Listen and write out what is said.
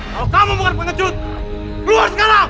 kalau kamu bukan pengecut keluar sekarang